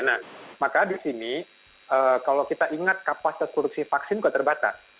nah maka di sini kalau kita ingat kapasitas korupsi vaksin juga terbatas